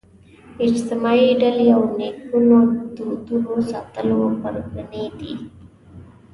اجتماعي ډلې او نیکونو دودونو ساتلو پرګنې دي